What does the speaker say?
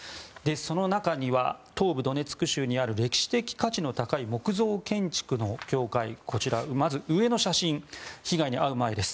その中には東部ドネツク州にある歴史的価値の高い木造建築の教会こちら、まず上の写真被害に遭う前です。